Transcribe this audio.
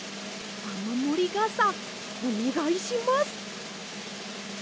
あまもりがさおねがいします！